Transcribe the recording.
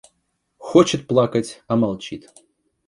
– Хочет плакать, а молчит.